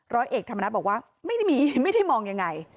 รอยเอกธรรมนัฐบอกว่าไม่ได้มีไม่ได้มองอย่างไร